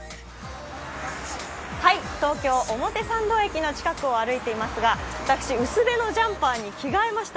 東京・表参道駅の近くを歩いていますが、私、薄手のジャンパーに着替えました。